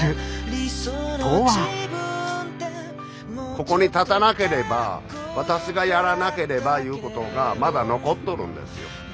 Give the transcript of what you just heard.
ここに立たなければ私がやらなければいうことがまだ残っとるんですよ。